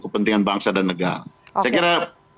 kepentingan bangsa dan negara saya kira